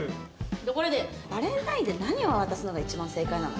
バレンタインって何を渡すのが一番正解なの？